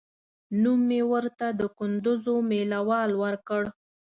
نوم مې ورته د کندوز مېله وال ورکړ.